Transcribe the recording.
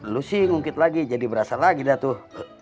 lu sih ngungkit lagi jadi berasa lagi dah tuh